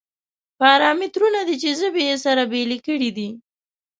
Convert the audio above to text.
پارامترونه دي چې ژبې یې سره بېلې کړې دي.